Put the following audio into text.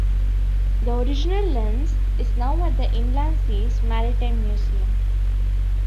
The original lens is now at the Inland Seas Maritime Museum.